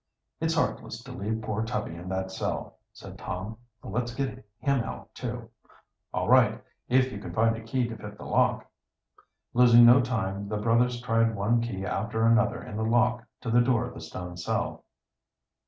"It's heartless to leave poor Tubby in that cell," said Tom. "Let's get him out too." "All right if you can find a key to fit the lock." Losing no time, the brothers tried one key after another in the lock to the door of the stone cell.